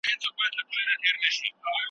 د ايمان او عقيدې څو مهمي مسئلې